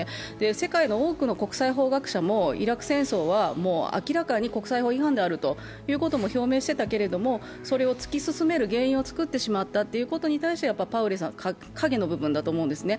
世界の多くの国際法学者も、イラク戦争は明らかに国際法違反であるということも表明していたけれど、それを突き進める原因を作ってしまったという部分ではパウエルさんは影の部分だと思うんですね。